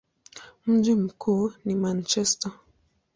Mji wake mkuu ni Manchester.